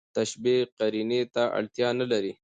تشبېه قرينې ته اړتیا نه لري.